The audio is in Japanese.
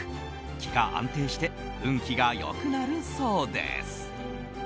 気が安定して運気が良くなるそうです。